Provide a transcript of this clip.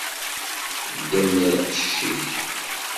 Ddem lqec-ik.